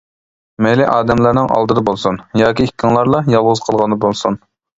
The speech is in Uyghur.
مەيلى ئادەملەرنىڭ ئالدىدا بولسۇن، ياكى ئىككىڭلارلا يالغۇز قالغاندا بولسۇن.